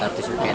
dari jam berapa